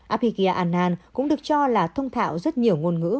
abhigya anand cũng được cho là thông thạo rất nhiều ngôn ngữ